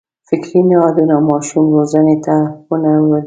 فکري نهادونو ماشوم روزنې ته ونه لېدل.